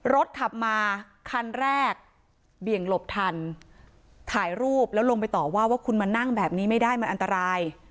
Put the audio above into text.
รถขับมาคันแรกเบี่ยงหลบทันถ่ายรูปแล้วลงไปต่อว่าว่าคุณมานั่งแบบนี้ไม่ได้มันอันตราย